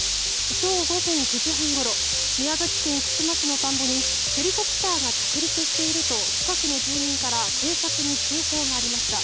今日午前９時半ごろ宮崎県串間市の田んぼにヘリコプターが着陸していると近くの住民から警察に通報がありました。